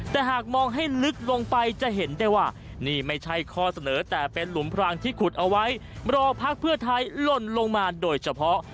แต่หากมองให้ลึกลงไปจะเห็นได้ว่านี่ไม่ใช่ข้อเสนอแต่เป็นหลุมพรางที่ขุดเอาไว้รอพักเพื่อไทยหล่นลงมาโดยเฉพาะ